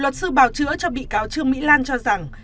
luật sư bào chữa cho bị cáo trương mỹ lan cho rằng